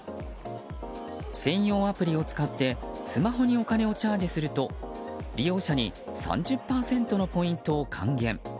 専用アプリを使ってスマホにお金をチャージすると利用者に３０％のポイントを還元。